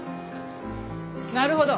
なるほど。